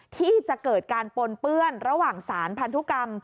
ที่จะเกิดการปนเปื้อนระหว่างสารพันธุกรรม